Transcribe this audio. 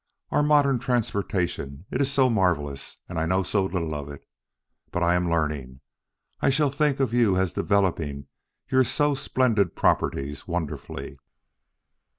Our modern transportation it is so marvelous, and I know so little of it. But I am learning. I shall think of you as developing your so splendid properties wonderfully."